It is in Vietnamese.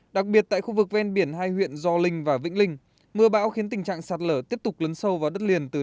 đặc biệt tại khu vực ven biển hai huyện do linh và vĩnh linh mưa bão khiến tình trạng sạt lở tiếp tục lấn sâu vào đất liền